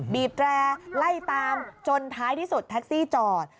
บีบแตร่ไล่ตามจนท้ายที่สุดแท็กซี่จอด